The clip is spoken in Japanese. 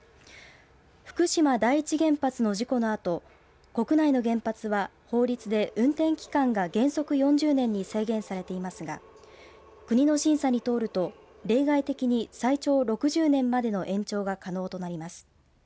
福島第一原発の事故のあと国内の原発は法律で、運転期間が原則４０年に制限されていますが国の審査に通ると例外的に最長６０年までの延長が可能になります。